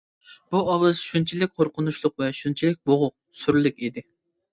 بۇ ئاۋاز شۇنچىلىك قورقۇنچلۇق ۋە شۇنچىلىك بوغۇق، سۈرلۈك ئىدى.